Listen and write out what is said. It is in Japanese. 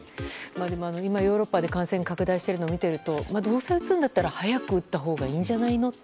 でも今ヨーロッパで感染拡大しているのを見ているとどうせ打つなら早く打ったほうがいいんじゃないのと。